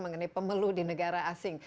mengenai pemelu di negara asing